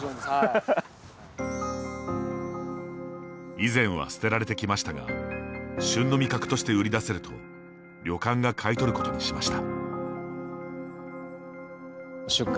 以前は捨てられてきましたが旬の味覚として売り出せると旅館が買い取ることにしました。